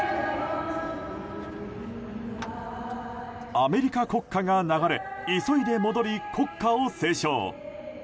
アメリカ国歌が流れ急いで戻り、国歌を斉唱。